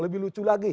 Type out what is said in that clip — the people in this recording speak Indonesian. lebih lucu lagi